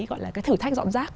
gọi là cái thử thách dọn rác